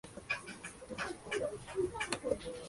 Por definición no permite unidades de conocimiento repetidas.